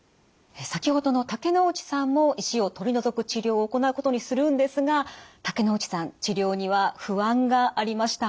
先ほどの竹之内さんも石を取り除く治療を行うことにするんですが竹之内さん治療には不安がありました。